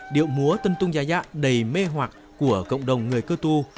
điệu múa tân tung gia gia đầy mê hoạc của cộng đồng người cơ tu